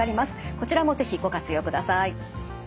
こちらも是非ご活用ください。